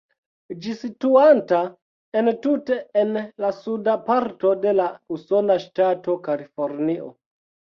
Ĝi situanta entute en la suda parto de la usona ŝtato Kalifornio.